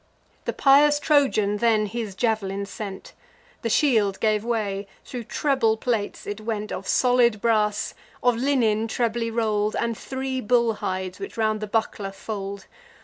The pious Trojan then his jav'lin sent; The shield gave way; thro' treble plates it went Of solid brass, of linen trebly roll'd, And three bull hides which round the buckler fold.